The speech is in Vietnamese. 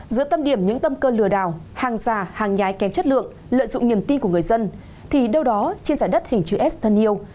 giữa tâm điểm những tâm cơ lừa đảo hàng già hàng nhái kém chất lượng lợi dụng niềm tin của người dân thì đâu đó trên giải đất hình chữ s thân yêu